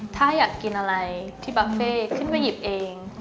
ถ้าอยากกินอะไรที่บัฟเฟ่ขึ้นไปหยิบเอง